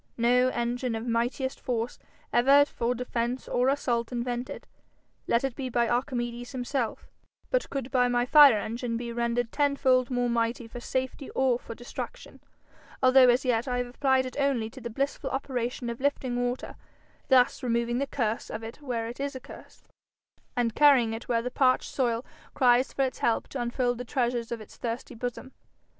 No engine of mightiest force ever for defence or assault invented, let it be by Archimedes himself, but could by my fire engine be rendered tenfold more mighty for safety or for destruction, although as yet I have applied it only to the blissful operation of lifting water, thus removing the curse of it where it is a curse, and carrying it where the parched soil cries for its help to unfold the treasures of its thirsty bosom.